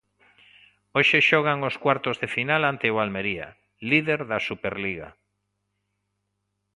Hoxe xogan os cuartos de final ante o Almería, líder da Superliga.